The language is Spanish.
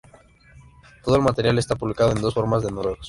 Todo el material está publicado en las dos formas de noruegos.